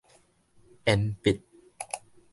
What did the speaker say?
延畢